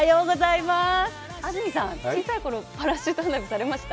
安住さん、小さい頃、パラシュート花火やりました？